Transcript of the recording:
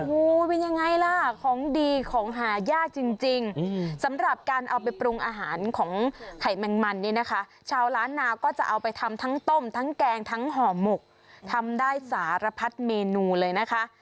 โอ้โหเป็นยังไงล่ะของดีของหายากจริงสำหรับการเอาไปปรุงอาหารของไข่แมงมันเนี่ยนะคะชาวล้านนาก็จะเอาไปทำทั้งต้มทั้งแกงทั้งห่อหมกทำได้สารพัดเมนูเลยนะคะ